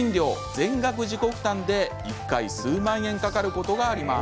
全額自己負担で１回数万円かかることがあります。